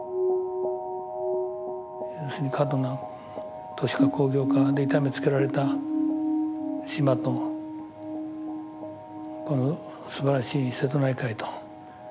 要するに過度な都市化工業化で痛めつけられた島とこのすばらしい瀬戸内海と。